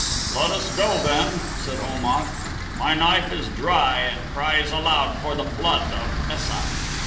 "Let us go, then," said Om at; "my knife is dry and cries aloud for the blood of Es sat."